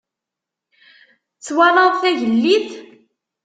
Twalaḍ tagellidt?